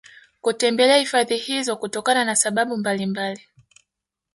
kutembelea hifadhi hizo kutokana na sababu mbalimbali